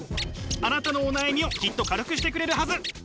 あなたのお悩みをきっと軽くしてくれるはず。